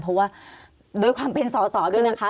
เพราะว่าด้วยความเป็นสอสอด้วยนะคะ